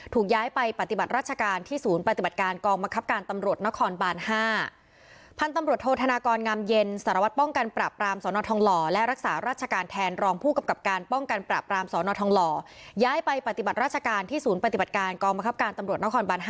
ย้ายไปปฏิบัติราชการที่ศูนย์ปฏิบัติการกองบังคับการตำรวจนครบาน๕